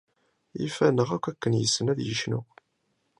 Yif-aneɣ akk akken i yessen ad yecnu.